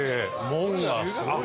門がすごい。